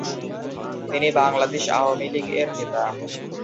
তিনি বাংলাদেশ আওয়ামী লীগ এর নেতা।